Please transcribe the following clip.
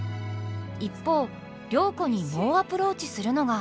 一方良子に猛アプローチするのが。